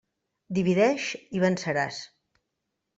Divideix i venceràs.